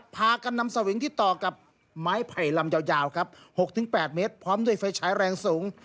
พากันนำสวิงที่ต่อกับไม้ไผ่ลำยาวครับ๖๘เมตรพร้อมด้วยไฟฉายแรงสูง